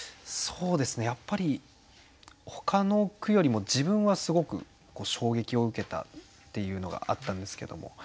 そうですねやっぱりほかの句よりも自分はすごく衝撃を受けたっていうのがあったんですけども。